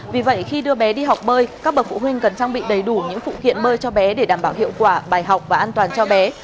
vì vậy khi đưa bé đi học bơi các bậc phụ huynh cần trang bị đầy đủ những phụ kiện bơi cho bé để đảm bảo hiệu quả bài học và an toàn cho bé